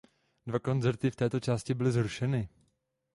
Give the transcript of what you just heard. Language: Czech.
Dva koncerty v této části byly zrušeny.